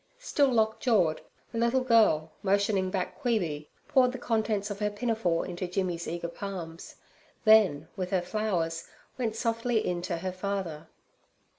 Still lock jawed, the little girl, motioning back Queeby, poured the contents of her pinafore into Jimmy's eager palms; then, with her flowers, went softly in to her father.